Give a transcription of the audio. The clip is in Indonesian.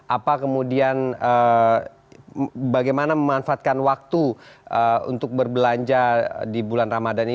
apa kemudian bagaimana memanfaatkan waktu untuk berbelanja di bulan ramadan ini